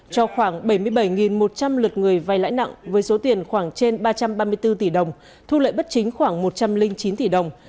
cho khoảng bảy mươi bảy một trăm linh lượt người vay lãi nặng với số tiền khoảng trên ba trăm ba mươi bốn tỷ đồng thu lợi bất chính khoảng một trăm linh chín tỷ đồng